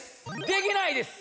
できないです！